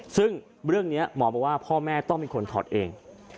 ซึ่งเรื่องนี้หมอบอกว่าพ่อแม่ต้องเป็นคนถอดเอง